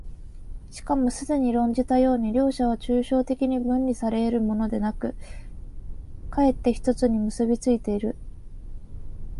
しかもすでに論じたように、両者は抽象的に分離され得るものでなく、却って一つに結び付いている。